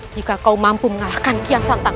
jika kau mampu mengalahkan kian santang